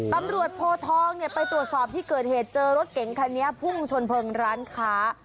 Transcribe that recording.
ตำรวจโพทองเนี่ยไปตรวจสอบที่เกิดเหตุเจอรถเก๋งคันนี้พุ่งชนเพลิงร้านค้า